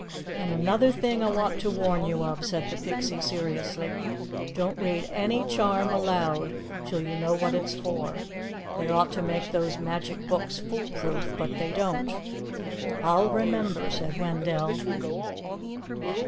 "And another thing I want to warn you of," said the Pixie seriously. "Don't read any charm aloud, till you know what it's for. They ought to make those magic books fool proof, but they don't." "I'll remember," said Wendell.